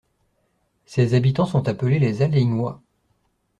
Ses habitants sont appelés les Alaignois.